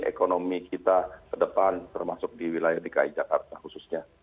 ekonomi kita ke depan termasuk di wilayah dki jakarta khususnya